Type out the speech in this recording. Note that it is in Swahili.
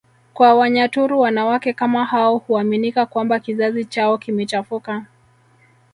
kwa Wanyaturu wanawake kama hao huaminika kwamba kizazi chao kimechafuka